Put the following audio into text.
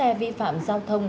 tạm giữ xe vi phạm giao thông